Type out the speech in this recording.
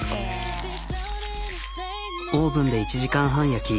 オーブンで１時間半焼き。